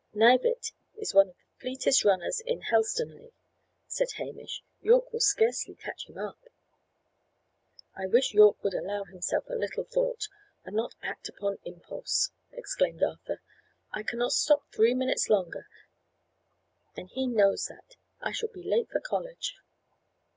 "Knivett is one of the fleetest runners in Helstonleigh," said Hamish. "Yorke will scarcely catch him up." "I wish Yorke would allow himself a little thought, and not act upon impulse," exclaimed Arthur. "I cannot stop three minutes longer: and he knows that! I shall be late for college."